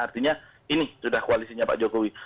artinya ini sudah koalisinya pak jokowi